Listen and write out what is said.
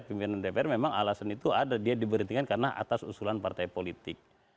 pimpinan dpr memang alasan itu ada dia diberhentikan karena atas usulan partai politik